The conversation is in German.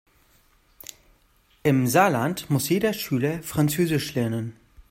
Im Saarland muss jeder Schüler französisch lernen.